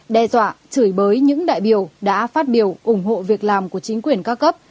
đe dọa chửi bới những đại biểu đã phát biểu ủng hộ việc làm của chính quyền ca cấp